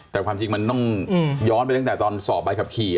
แต่ความจริงมันต้องย้อนไปตั้งแต่ตอนสอบใบขับขี่